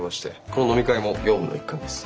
この飲み会も業務の一環です。